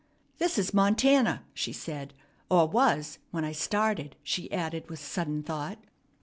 "This is Montana," she said, "or was, when I started," she added with sudden thought.